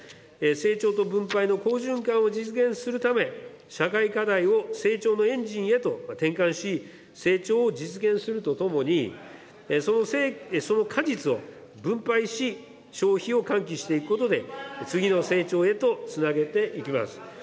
成長と分配の好循環を実現するため、社会課題を成長のエンジンへと転換し、成長を実現するとともに、その果実を分配し、消費を喚起していくことで、次の成長へとつなげていきます。